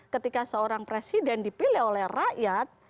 ketika seorang presiden dipilih oleh rakyat